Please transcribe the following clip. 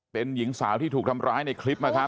เป็นหญิงสาวที่ถูกทำร้ายในคลิปนะครับ